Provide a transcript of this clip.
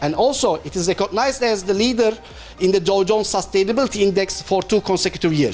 dan juga mereka dikenal sebagai pemimpin di jodoh sustainability index selama dua tahun berikutnya